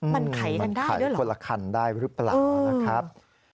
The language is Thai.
มันขายกันได้ด้วยหรือเปล่ามันขายคนละคันได้หรือเปล่านะครับ